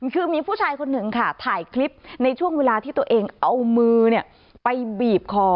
คือมีผู้ชายคนหนึ่งค่ะถ่ายคลิปในช่วงเวลาที่ตัวเองเอามือไปบีบคอ